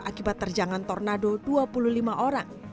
akibat terjangan tornado dua puluh lima orang